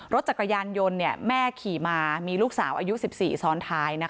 รถจักรยานยนต์เนี้ยแม่ขี่มามีลูกสาวอายุสิบสี่ซ้อนท้ายนะคะ